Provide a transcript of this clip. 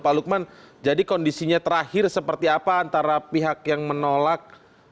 pak lukman jadi kondisinya terakhir seperti apa antara pihak yang menolak